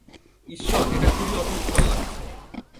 ঈশ্বর, এটা খুবি অসস্তিকর লাগছে।